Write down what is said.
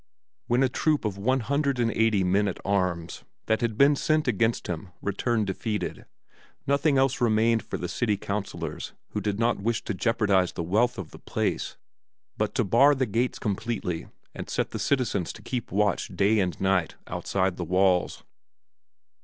When a troop of one hundred and eighty men at arms that had been sent against him returned defeated, nothing else remained for the city councilors, who did not wish to jeopardize the wealth of the place, but to bar the gates completely and set the citizens to keep watch day and night outside the walls.